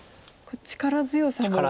力強さも。